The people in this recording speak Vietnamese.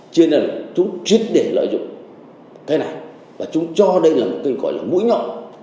cho nên là chúng truyết để lợi dụng cái này và chúng cho đây là một kênh gọi là mũi ngậu